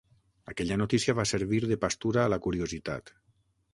Aquella notícia va servir de pastura a la curiositat.